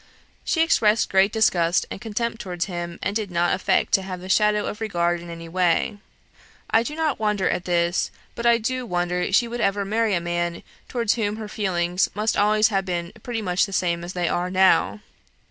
She expressed great disgust and contempt towards him, and did not affect to have the shadow of regard in any way. I do not wonder at this, but I do wonder she should ever marry a man towards whom her feelings must always have been pretty much the same as they are now.